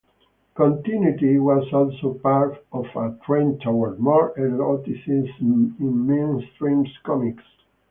Continuity was also part of a trend towards more eroticism in mainstream comics.